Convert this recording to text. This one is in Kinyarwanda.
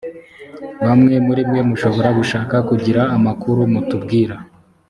bamwe muri mwe mushobora gushaka kugira amakuru mutubwira